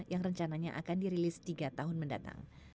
yang rencananya akan dirilis tiga tahun mendatang